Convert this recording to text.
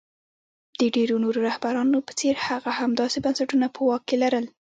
د ډېرو نورو رهبرانو په څېر هغه هم داسې بنسټونه په واک کې لرل.